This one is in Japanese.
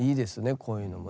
こういうのもね。